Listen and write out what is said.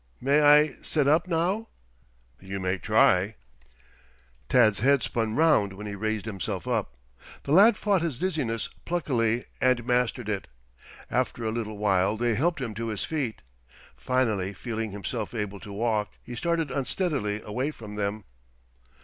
"May I sit up now?" "You may try." Tad's head spun round when he raised himself up. The lad fought his dizziness pluckily, and mastered it. After a little while they helped him to his feet. Finally feeling himself able to walk he started unsteadily away from them.